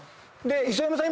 磯山さん